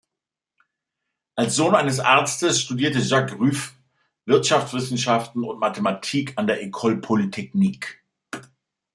Als Sohn eines Arztes studierte Jacques Rueff Wirtschaftswissenschaften und Mathematik an der École Polytechnique.